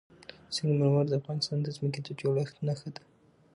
سنگ مرمر د افغانستان د ځمکې د جوړښت نښه ده.